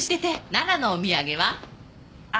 奈良のお土産は？あっ。